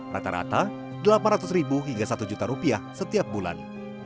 rata rata rp delapan ratus hingga rp satu setiap bulan